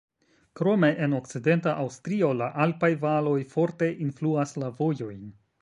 Krome en okcidenta Aŭstrio la alpaj valoj forte influas la vojojn.